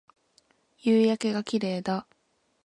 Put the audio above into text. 夕焼けが綺麗だ